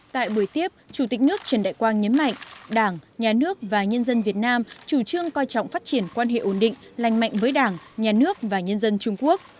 tại buổi tiếp chủ tịch nước trần đại quang nhấn mạnh đảng nhà nước và nhân dân việt nam chủ trương coi trọng phát triển quan hệ ổn định lành mạnh với đảng nhà nước và nhân dân trung quốc